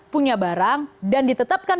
punya barang dan ditetapkan